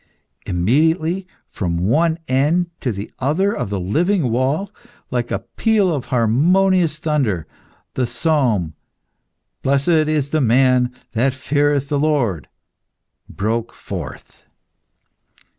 Immediately, from one end to the other of the living wall, like a peal of harmonious thunder, the psalm, "Blessed is the man that feareth the Lord," broke forth.